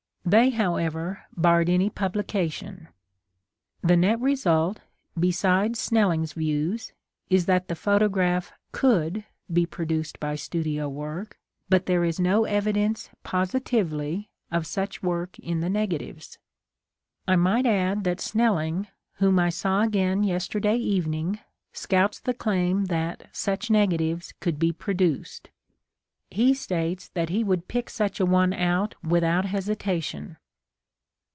They, however, barred any publication. The net result, besides Snell ing's views, is that the photograph could be produced by studio work, but there is no evidence positively of such work in the neg atives. (I might add that Snelling, whom I saw again yesterday evening, scouts the claim that such negatives could be produced. 36 HOW THE MATTER AROSE He states that he would pick such a one out without hesitation!)